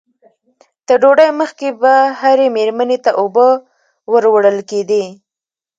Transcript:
تر ډوډۍ مخکې به هرې مېرمنې ته اوبه ور وړل کېدې.